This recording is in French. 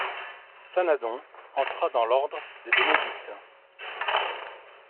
Sanadon entra dans l’ordre des Bénédictins.